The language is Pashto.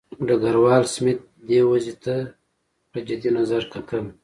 ډګروال سمیت دې وضع ته جدي نظر کتل.